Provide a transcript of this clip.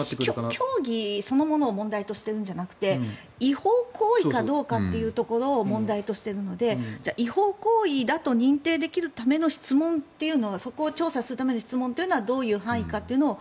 教義そのものを問題としてるんじゃなくて違法行為かどうかというところを問題としているので違法行為だと認定できるための質問というのをそこを調査するための質問というのをどういう範囲かというのを